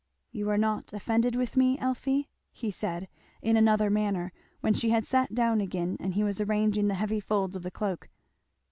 "You are not offended with me, Elfie?" he said in another manner, when she had sat down again and he was arranging the heavy folds of the cloak.